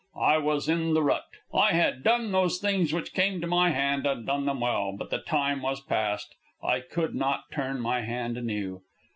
I was in the rut. I had done those things which came to my hand and done them well; but the time was past; I could not turn my hand anew.